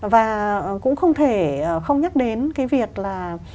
và cũng không thể không nhắc đến cái việc là